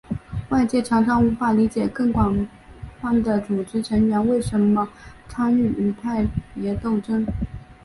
外界常常无法理解更广泛的组织成员为什么参与派别斗争。